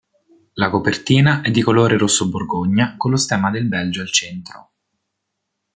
La copertina è di colore rosso borgogna con lo stemma del Belgio al centro.